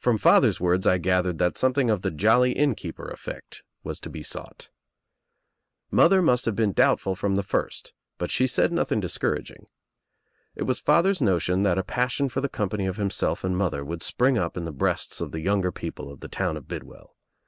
From father's words I gathered that something of the jolly inn keeper effect was to be sought. Mother must have been doubtful from the first, hut she said nothing discouraging. It was father's notion that a passion for the company of himself and mother would spring up in the breasts of the younger people of the town of Bidwell.